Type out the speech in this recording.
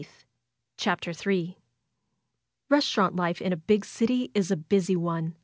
CHAPTER III Restaurant life in a big city is a busy one.